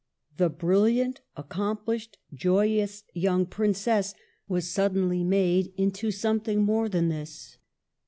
The brilliant, accomplished, joyous young princess was suddenly made into something more than this.